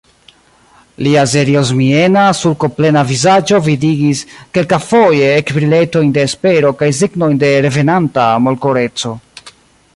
Lia seriozmiena, sulkoplena vizaĝo vidigis kelkafoje ekbriletojn de espero kaj signojn de revenanta molkoreco.